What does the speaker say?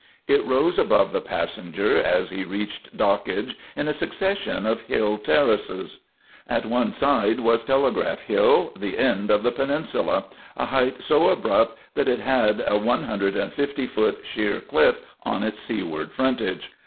It rose above the passenger, as he reached dockage, in a succession of hill terraces. At one side was Telegraph Hill, the end of the peninsula, a height so abrupt that it had a one hundred and fifty foot sheer cliff on its seaward frontage.